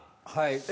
はい。